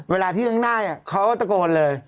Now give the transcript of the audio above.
เวลาที่ข้างหน้าเขาก็ตะโกนเลย